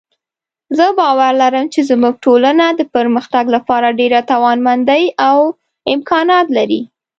زه باور لرم چې زموږ ټولنه د پرمختګ لپاره ډېره توانمندۍ او امکانات لري